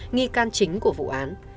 nghi can chính của vụ án